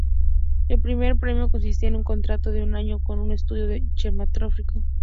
El primer premio consistía en un contrato de un año con un estudio cinematográfico.